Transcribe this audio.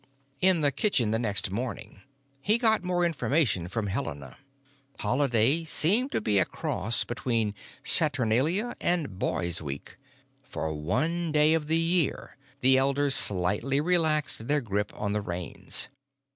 In the kitchen the next morning he got more information from Helena. Holiday seemed to be a cross between saturnalia and Boy's Week; for one day of the year the elders slightly relaxed their grip on the reins.